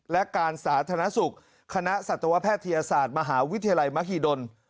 และการสาธารณสุขคณะสัตวแพทยศาสตร์มหาวิทยาลัยมหิดล